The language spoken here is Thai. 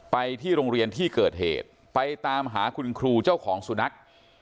ไปที่โรงเรียนที่เกิดเหตุไปตามหาคุณครูเจ้าของสุนัข